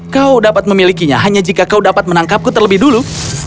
kau dapat memilikinya hanya jika kau dapat menangkapku terlebih dulu